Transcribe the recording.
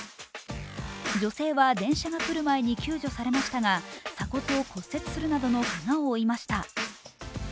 女性は電車が来る前に救助されましたが鎖骨を骨折するなどのけがを負いました。